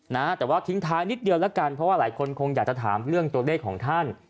นะแต่ว่าทิ้งท้ายนิดเดียวแล้วกันเพราะว่าหลายคนคงอยากจะถามเรื่องตัวเลขของท่าน